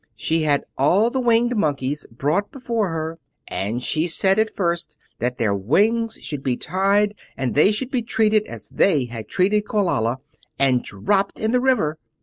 She had all the Winged Monkeys brought before her, and she said at first that their wings should be tied and they should be treated as they had treated Quelala, and dropped in the river.